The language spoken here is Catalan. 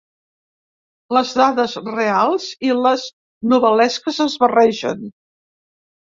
Les dades reals i les novel·lesques es barregen.